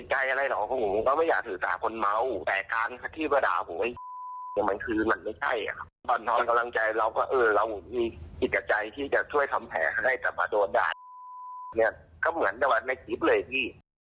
ก็เหมือนตะวันในกรี๊บเลยพี่